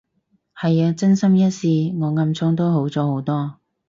係啊，真心一試，我暗瘡都好咗好多